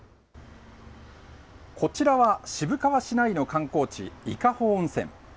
こちらは渋川市内の観光地、伊香保温泉。